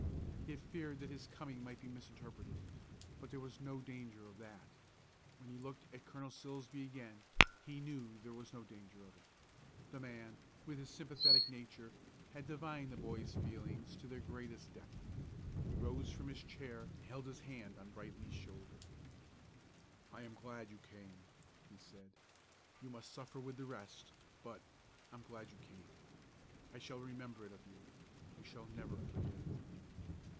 He had feared that his coming might be misinterpreted. But there was no danger of that. When he looked at Colonel Silsbee again he knew there was no danger of it. The man, with his sympathetic nature, had divined the boy's feelings to their greatest depth. He rose from his chair and laid his hand on Brightly's shoulder. "I am glad you came," he said. "You must suffer with the rest, but I am glad you came. I shall remember it of you, I shall never forget it."